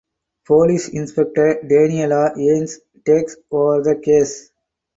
Police inspector Daniela Yanes takes over the case.